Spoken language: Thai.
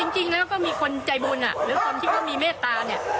จริงแล้วก็มีคนใจบุญหรือคนที่เขามีเมตตาเนี่ย